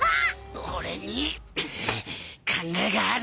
俺に考えがある。